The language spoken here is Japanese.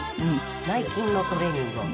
内筋のトレーニングを。